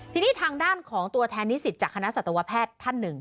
ทีนี้ทางด้านของตัวแทนนิสิตจากคณะสัตวแพทย์ท่านหนึ่ง